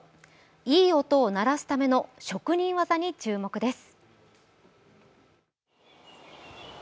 いい音を鳴らすための職人技に注目です。